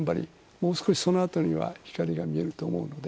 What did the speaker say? もう少し、そのあとには光が見えると思うので。